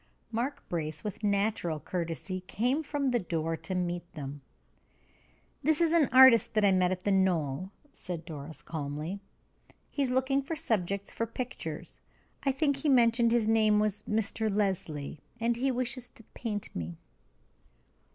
Mark Brace, with natural courtesy, came from the door to meet them. "This is an artist that I met at the knoll," said Doris, calmly. "He is looking for subjects for pictures. I think he mentioned his name was Mr. Leslie, and he wishes to paint me."